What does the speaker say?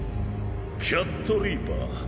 キャットリーパー。